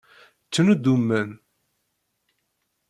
Ttnuddumen.